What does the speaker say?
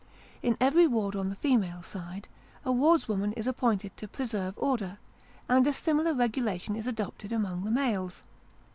In every ward on the female side, a wardswoman is appointed to preserve order, and a similar regulation is adopted among the males.